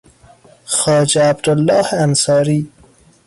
خواجه عبدالله انصاری